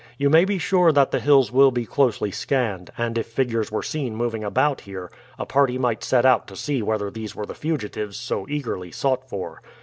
You may be sure that the hills will be closely scanned, and if figures were seen moving about here a party might set out to see whether these were the fugitives so eagerly sought for.